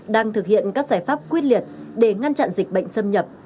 đang thực hiện các giải pháp quyết liệt để ngăn chặn dịch bệnh xâm nhập